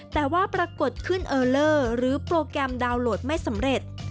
แต่ว่าปรากฏขึ้นเออเลอร์หรือโปรแกรมดาวน์โหลดไม่สำเร็จ